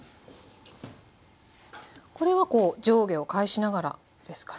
これはこう上下を返しながらですかね？